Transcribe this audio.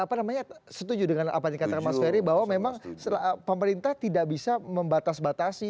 mbak eva anda lihat setuju dengan apa yang dikatakan mas ferry bahwa memang pemerintah tidak bisa membatas batasi